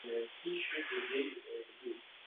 Kerakli joydan kelishdi, surishtirishdi.